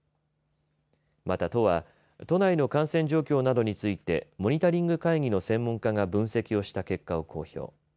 また都は、都内の感染状況などについてモニタリング会議の専門家が分析をした結果を公表。